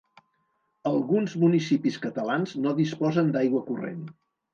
Alguns municipis catalans no disposen d'aigua corrent.